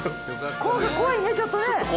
怖いねちょっとね。